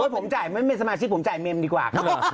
ผมจ่ายไม่เป็นสมาชิกผมจ่ายเมมดีกว่า